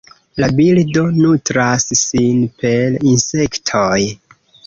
La birdo nutras sin per insektoj.